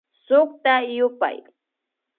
Sukta yupay